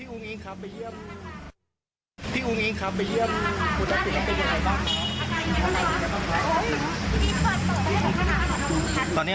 อุโนโครีป่ะ